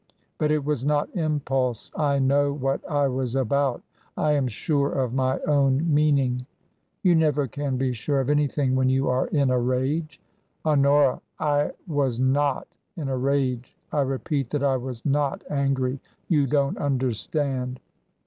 ''" But it was not impulse. I know what I was about. I am sure of my own meaning." " You never can be sure of an)rthing when you are in a rage." " Honora, I was not in a rage. I repeat that I was not angry. You don't understand."